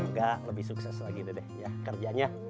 semoga lebih sukses lagi dedeh kerjanya